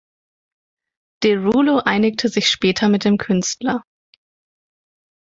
Derulo einigte sich später mit dem Künstler.